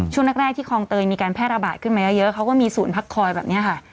ช่วงแรกที่คลองเตยมีการแพร่ระบาดขึ้นมาเยอะเขาก็มีศูนย์พักคอยแบบนี้ค่ะ